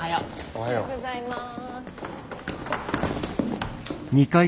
おはようございます。